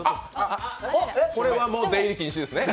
これはもう出入り禁止ですね。